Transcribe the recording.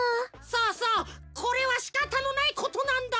そうそうこれはしかたのないことなんだ。